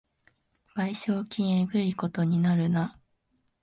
賠償金えぐいことになるな